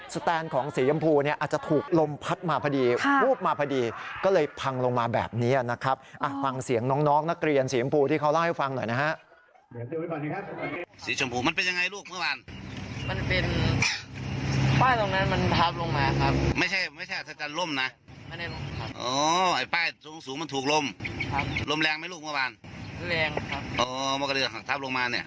สแตนเชียร์สีย้ำพูที่เขาร่าให้ฟังหน่อยนะครับ